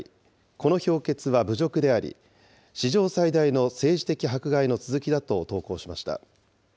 この評決は侮辱であり、史上最大の政治的迫害の続きだと投稿しました。